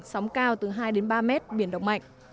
sóng cao từ hai đến ba mét biển động mạnh